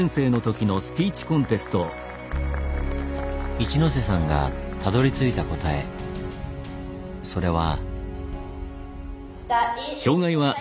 一ノ瀬さんがたどりついた答えそれは。